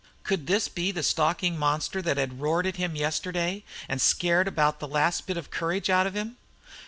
Could this be the stalking monster that had roared at him yesterday, and scared about the last bit of courage out of him?